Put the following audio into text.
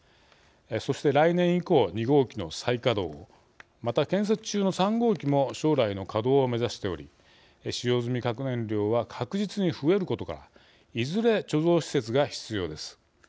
そして、来年以降２号機の再稼働をまた、建設中の３号機も将来の稼働を目指しており使用済み核燃料は確実に増えることからいずれ貯蔵施設が必要です。